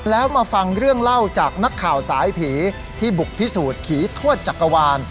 แล้วมาฟังเรื่องเล่าจากนักข่าวสายผีที่บุกพิสูจน์ผีทวดจักรวาล